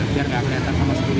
biar nggak kelihatan sama seperti